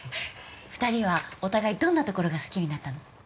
二人はお互いどんなところが好きになったの？